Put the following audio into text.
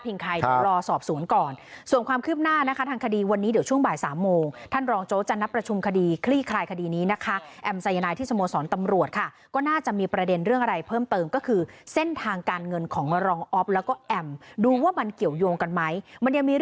เพราะฉะนั้นอันนี้มันเจียดอนาคาโดยเฉพาะ